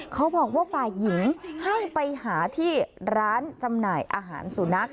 เขาบอกว่าฝ่ายหญิงให้ไปหาที่ร้านจำหน่ายอาหารสุนัข